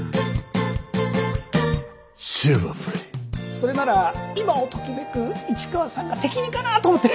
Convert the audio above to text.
それなら今をときめく市川さんが適任かなと思って。